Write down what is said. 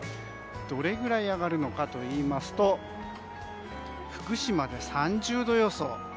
どれくらい上がるのかといいますと福島で３０度予想。